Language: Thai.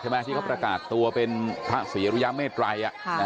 ที่เขาประกาศตัวเป็นพระศรีรุยาเมตรัย